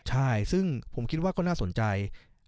ใช่ซึ่งผมคิดว่าก็น่าสนใจ